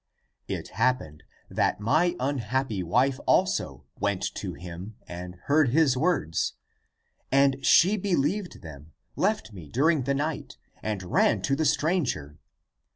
It happened that my unhappy wife also went to him and heard his words. And she believed them, left me during the night, and ran to the stranger.